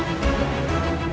dua orang ke cerabet